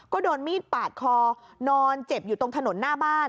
ก็โดนมีดปาดคอนอนเจ็บอยู่ตรงถนนหน้าบ้าน